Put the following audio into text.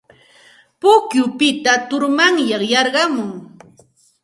Pukyupita turmanyay yarqumun.